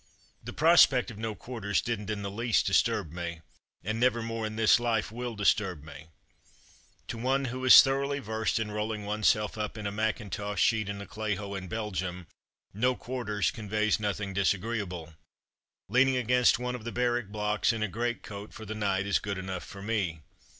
The prospect of no quarters didn't in the least disturb me, and never more in this life will disturb me. To i6 From Mud to Mufti one who is thoroughly versed in rolling one self up in a mackintosh sheet in a clay hole in Belgium, ''no quarters" conveys nothing disagreeable. Leaning against one of the barrack blocks in a greatcoat for the night is good enough for me.